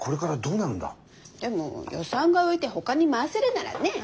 でも予算が浮いてほかに回せるならねえ。